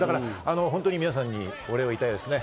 本当に皆さんにお礼を言いたいですね。